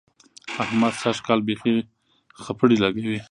احمد سږ کال بېخي خپړې لګوي.